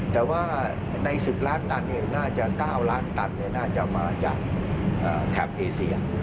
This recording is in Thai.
แต่ว่าใน๑๐ล้านตันน่าจะ๙ล้านตันน่าจะมาจากแถบเอเซีย